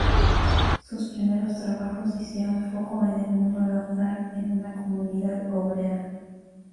Sus primeros trabajos hicieron foco en el mundo laboral en una comunidad obrera.